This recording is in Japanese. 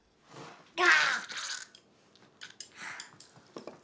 ガ。